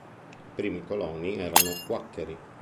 Il primo coloni erano quaccheri.